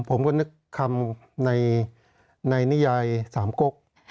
ผมก็นึกคำในนิยายสามกก